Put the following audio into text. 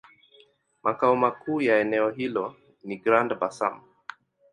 Makao makuu ya eneo hilo ni Grand-Bassam.